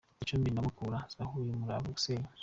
Gicumbi na mukura zahuye n’uruva gusenya